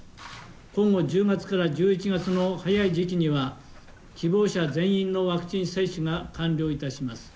今後１０月から１１月の早い時期には、希望者全員のワクチン接種が完了いたします。